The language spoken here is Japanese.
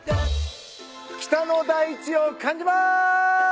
北の大地を感じます！